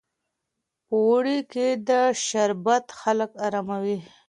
په اوړي کې دا شربت خلک اراموي.